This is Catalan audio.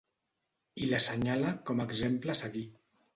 I l'assenyala com a exemple a seguir.